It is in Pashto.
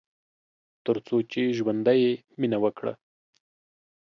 تر څو چې ژوندی يې ، مينه وکړه